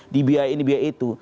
dibiayai ini dibiayai itu